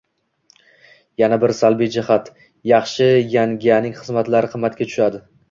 Yana bir salbiy jihat – yaxshi yanaganing xizmatlari qimmatga tushadi.